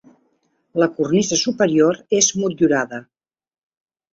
La cornisa superior és motllurada.